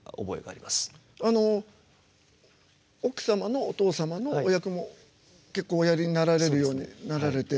あの奥様のお父様のお役も結構おやりになられるようになられて。